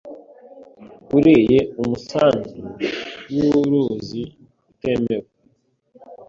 ureye umusanzu wuuuruzi utemewe